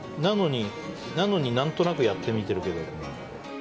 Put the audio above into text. なのに何となくやってみてるけど。